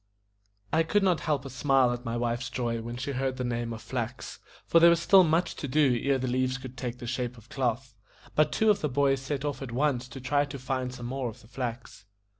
I could not help a smile at my wife's joy when she heard the name of flax; for there was still much to do ere the leaves could take the shape of cloth. But two of the boys set off at once to try to find some more of the flax.